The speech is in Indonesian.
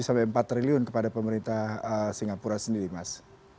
sampai empat triliun kepada pemerintah singapura sendiri mas